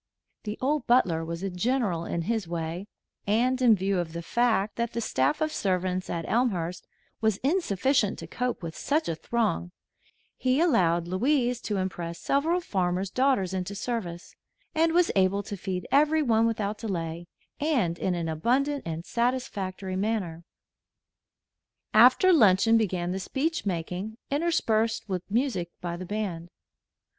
The old butler was a general in his way, and in view of the fact that the staff of servants at Elmhurst was insufficient to cope with such a throng, he allowed Louise to impress several farmers' daughters into service, and was able to feed everyone without delay and in an abundant and satisfactory manner. After luncheon began the speech making, interspersed with music by the band.